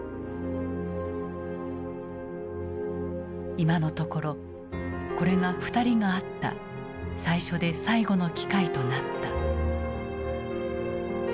今のところこれが２人が会った最初で最後の機会となった。